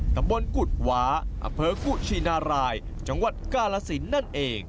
ตำบลกุฎวาอำเภอกุชินารายจังหวัดกาลสินนั่นเอง